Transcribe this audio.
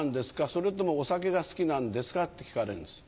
それともお酒が好きなんですか？って聞かれるんです。